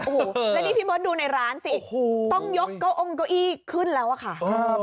โอ้โหแล้วนี่พี่เบิร์ตดูในร้านสิโอ้โหต้องยกเก้าองเก้าอี้ขึ้นแล้วอะค่ะ